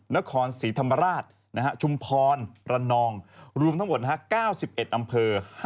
นครศรีธรรมราชชุมพรระนองรวมทั้งหมด๙๑อำเภอ